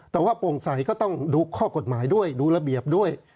แต่ว่าโปร่งใสก็ต้องดูข้อกฎหมายด้วยดูระเบียบด้วย